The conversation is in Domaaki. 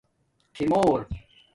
خِمور